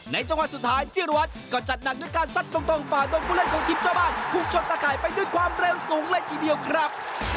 จังหวะสุดท้ายจิรวัตรก็จัดหนักด้วยการซัดตรงฝ่าโดนผู้เล่นของทีมเจ้าบ้านถูกชนตะข่ายไปด้วยความเร็วสูงเลยทีเดียวครับ